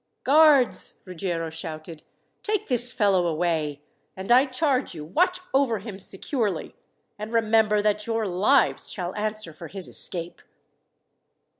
"Guards," Ruggiero shouted, "take this fellow away, and I charge you watch over him securely, and remember that your lives shall answer for his escape."